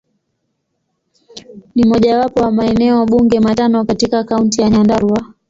Ni mojawapo wa maeneo bunge matano katika Kaunti ya Nyandarua.